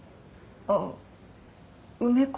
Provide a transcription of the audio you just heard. ああ梅子